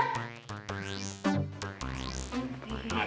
ajarin gak bener ini